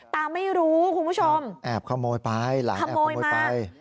ตาไม่รู้คุณผู้ชมแอบขโมยไปหลานแอบขโมยไป